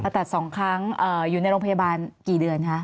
ตัด๒ครั้งอยู่ในโรงพยาบาลกี่เดือนคะ